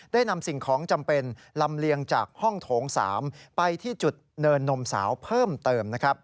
ได้นำสิ่งของจำเป็นลำเลียงจากห้องโถง๓ไปที่จุดเนินนมสาวเพิ่มเติม